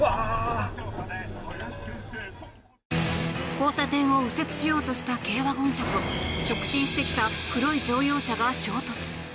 交差点を右折しようとした軽ワゴン車と直進してきた黒い乗用車が衝突。